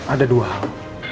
ada dua hal